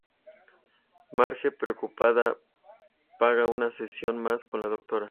Marge, preocupada, paga una sesión mas con la Dra.